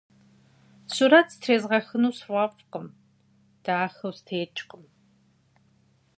Сурэт зытрезгъэхыну сфӏэфӏкъым, дахэу стекӏкъым.